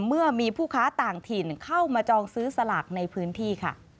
เมื่อมีผู้ค้าต่างถิ่นเข้ามาจองซื้อสลากในพื้นที่ค่ะ